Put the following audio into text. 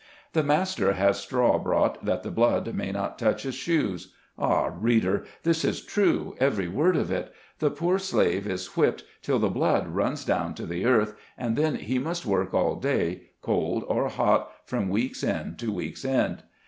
The master has straw brought, that the blood may not touch his shoes. Ah, reader ! this is true, every word of it. The poor slave is whipped till the blood runs down to the earth, and then he must work all day, cold or hot, from week's end to week's end.